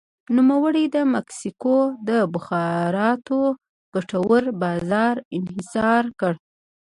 نوموړي د مکسیکو د مخابراتو ګټور بازار انحصار کړ.